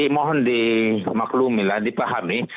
mohon dimaklumi lah dipahami